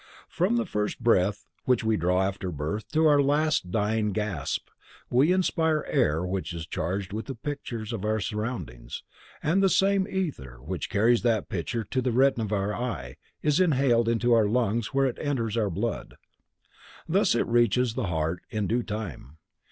From the first breath which we draw after birth to our last dying gasp, we inspire air which is charged with pictures of our surroundings, and the same ether which carries that picture to the retina of our eye, is inhaled into our lungs where it enters the blood. Thus it reaches the heart in due time.